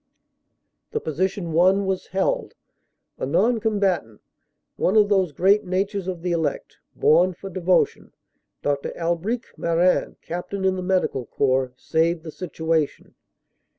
"The position won was held. A non combatant, one of those great natures of the elect, born for devotion, Dr. Albcric Marin, Captain in the Medical Corps, saved the situation.